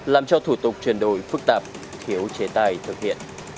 làm cho thủ tục chuyển đổi phức tạp thiếu chế tài thực hiện